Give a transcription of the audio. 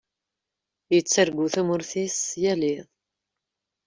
Yettargu tamurt-is yal iḍ.